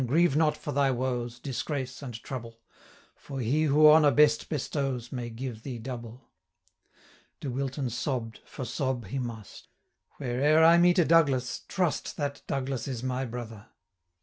grieve not for thy woes, Disgrace, and trouble; For He, who honour best bestows, May give thee double.' De Wilton sobb'd, for sob he must 370 'Where'er I meet a Douglas, trust That Douglas is my brother!'